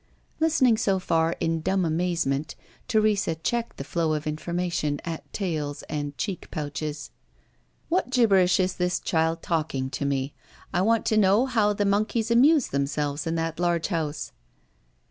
Listening so far in dumb amazement, Teresa checked the flow of information at tails and cheek pouches. "What gibberish is this child talking to me?" she asked. "I want to know how the monkeys amuse themselves in that large house?"